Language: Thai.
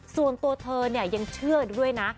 ส่วนตัวเธอเนี่ยยังเชื่อด้วยนะ